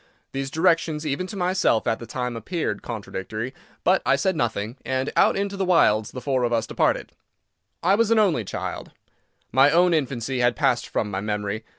These directions, even to myself, at the time, appeared contradictory. But I said nothing. And out into the wilds the four of us departed. I was an only child. My own infancy had passed from my memory.